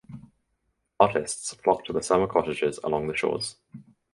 Artists flocked to the summer cottages along the shores.